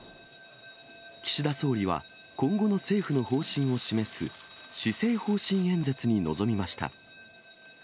岸田総理は、今後の政府の方針を示す、施政方針演説に臨みました。